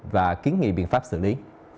và kiến nghị biện pháp xử lý